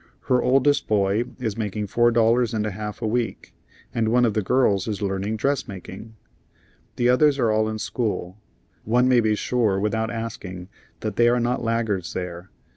Her oldest boy is making four dollars and a half a week, and one of the girls is learning dressmaking. The others are all in school. One may be sure without asking that they are not laggards there.